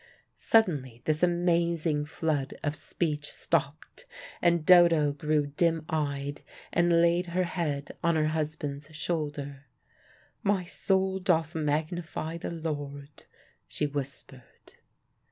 Suddenly this amazing flood of speech stopped, and Dodo grew dim eyed, and laid her head on her husband's shoulder. "My soul doth magnify the Lord!" she whispered.